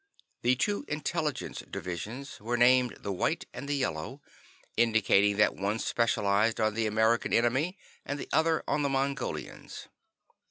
The two intelligence divisions were named the White and the Yellow, indicating that one specialized on the American enemy and the other on the Mongolians.